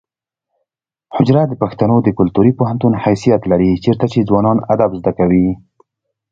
حجره د پښتنو د کلتوري پوهنتون حیثیت لري چیرته چې ځوانان ادب زده کوي.